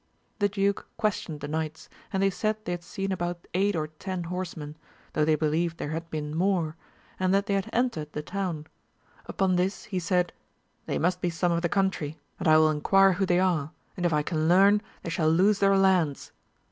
The duke questioned the knights, and they said they had seen about eight or ten horsemen, though they believed there had been more, and that they had entered the town ; upon this he said they must be some of the country ; and I will enquire who they are ; and if I can learn, they shall lose their lands.